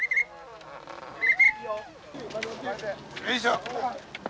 よいしょ。